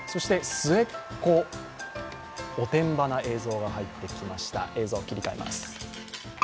末っ子、おてんばな映像が入ってきました。